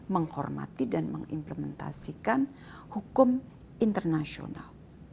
menghormati dan mengimplementasikan hukum internasional